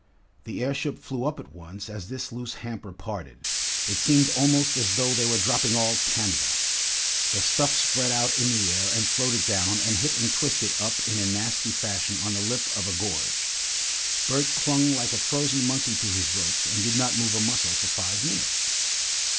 The airship flew up at once as this loose hamper parted. It seemed almost as though they were dropping all Canada. The stuff spread out in the air and floated down and hit and twisted up in a nasty fashion on the lip of a gorge. Bert clung like a frozen monkey to his ropes and did not move a muscle for five minutes.